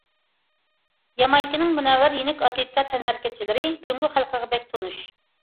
يامايكىنىڭ مۇنەۋۋەر يېنىك ئاتلېتىكا تەنھەرىكەتچىلىرى جۇڭگو خەلقىگە بەك تونۇش.